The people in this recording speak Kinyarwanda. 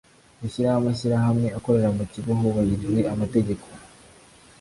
Gushyiraho amashyirahamwe akorera mu kigo hubahirijwe amategeko